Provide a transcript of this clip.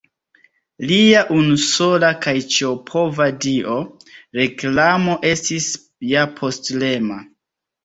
Lia unusola kaj ĉiopova dio, Reklamo, estis ja postulema.